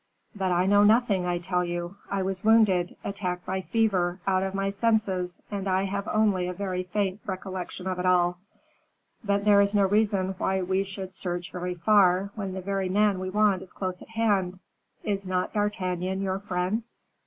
"But I know nothing, I tell you; I was wounded, attacked by fever: out of my senses; and I have only a very faint recollection of it all. But there is no reason why we should search very far, when the very man we want is close at hand. Is not D'Artagnan your friend?"